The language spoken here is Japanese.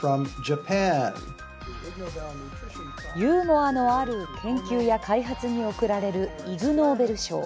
ユーモアのある研究や開発に贈られるイグ・ノーベル賞。